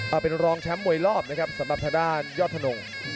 เอาเป็นรองแชมป์มวยรอบนะครับสำหรับทางด้านยอดธนง